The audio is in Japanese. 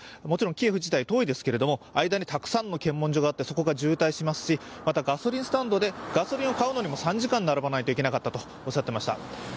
もちろんキエフ自体遠いですけれども、間にたくさんの検問所があってそこが渋滞しますし、またガソリンスタンドでガソリンを買うにも３時間並ばないといけなかったとおっしゃっていました。